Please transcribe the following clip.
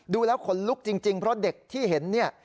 ดูแล้วขนลุกจริงเพราะเด็กที่เห็นเนี่ย